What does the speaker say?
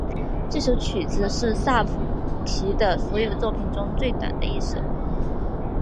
这首曲子是萨提的所有作品中最短的一首。